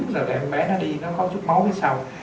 rồi cái em bé nó đi nó có chút máu ở sau